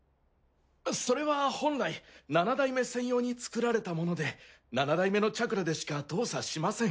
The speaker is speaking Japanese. それは本来七代目専用に作られたもので七代目のチャクラでしか動作しません。